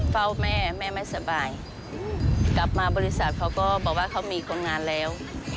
เฝ้าแม่แม่ไม่สบายกลับมาบริษัทเขาก็บอกว่าเขามีคนงานแล้ว